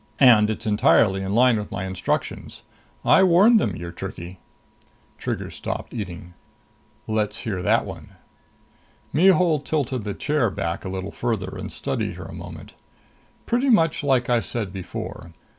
And it's entirely in line with my instructions. I warned them you're tricky." Trigger stopped eating. "Let's hear that one." Mihul tilted the chair back a little farther and studied her a moment. "Pretty much like I said before.